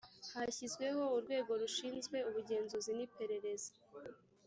hashyizweho urwego rushinzwe ubugenzuzi n iperereza